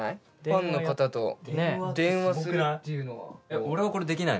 ファンの方と電話するっていうのは。